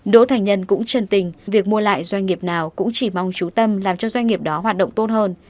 đỗ thành nhân cũng chân tình việc mua lại doanh nghiệp nào cũng chỉ mong trú tâm làm cho doanh nghiệp đó hoạt động tốt hơn